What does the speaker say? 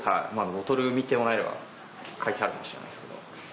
ボトル見てもらえれば書いてあるかもしれないですけど。